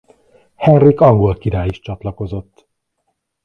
Henrik angol király is csatlakozott.